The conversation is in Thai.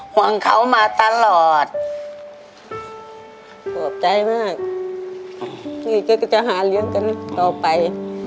ของเขามาตลอดปลืบใจมากนี่แกก็จะหาเลี้ยงกันต่อไป